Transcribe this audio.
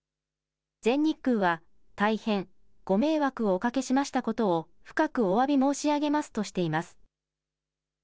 全日空は大変ご迷惑をおかけしましたことを深くおわび申し上げますとしています。